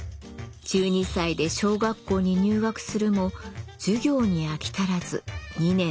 １２歳で小学校に入学するも授業に飽き足らず２年で自主退学。